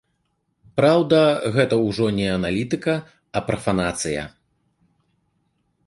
Праўда, гэта ўжо не аналітыка, а прафанацыя.